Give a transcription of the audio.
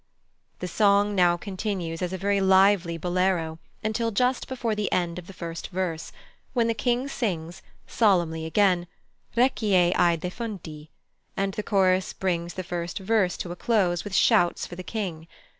The song now continues as a very lively bolero, until just before the end of the first verse, when the King sings, solemnly again, "Requie ai defunti," and the chorus brings the first verse to a close with shouts for the King.